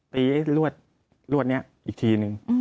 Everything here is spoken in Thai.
ตีไอ้รวดรวดเนี่ยอีกทีนึง